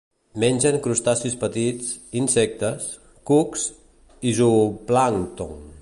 Mengen crustacis petits, insectes, cucs i zooplàncton.